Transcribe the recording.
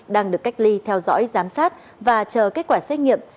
đang được cách ly theo dõi giám sát và chờ kết quả xét nghiệm